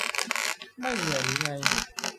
ไม่เหนื่อยหรือไง